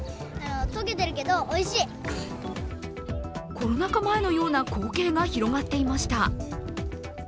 コロナ禍前のような光景が広がっていました。